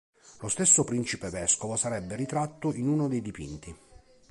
Lo stesso principe vescovo sarebbe ritratto in uno dei dipinti.